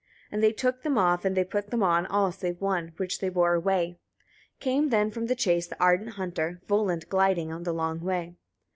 8. And they took them off, and they put them on, all save one, which they bore away. Came then from the chase the ardent hunter, Volund, gliding on the long way.